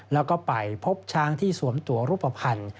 แล้วก็ไปพบช้างที่สวมตัวรูปภัณฑ์